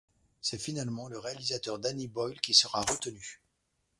C'est finalement le réalisateur Danny Boyle qui sera retenu.